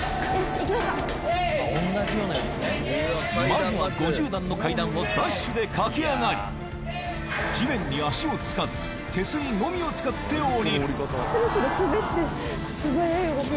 まずは５０段の階段をダッシュで駆け上がり地面に足を着かず手すりのみを使って下りるスルスル